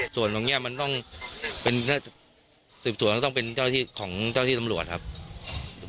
ส่วนตรงนี้ส่วนต่างก็ต้องเป็นเจ้าที่สำรวจครับ